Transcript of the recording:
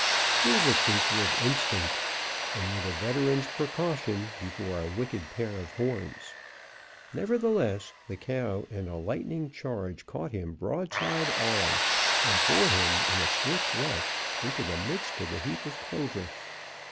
He was a creature of instinct, and with a veteran's precaution before a wicked pair of horns. Nevertheless the cow, in a lightning charge, caught him broadside on, and bore him, in a swift rush, into the midst of the heap of clover.